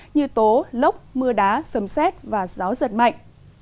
như tố lốc mưa đá sầm xét và gió giật mạnh